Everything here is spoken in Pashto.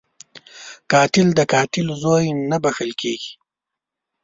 قاتل د قاتل زوی نه بخښل کېږي